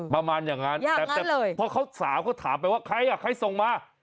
ประมาณอย่างนั้นแต่พอเขาสาวเขาถามไปว่าใครอ่ะใครส่งมา